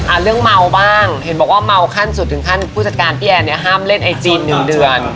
เรื่องเมาบ้างเห็นบอกว่าเมาขั้นสุดถึงขั้นผู้จัดการพี่แอนเนี่ยห้ามเล่นไอจีหนึ่งเดือน